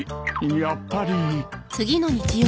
やっぱり。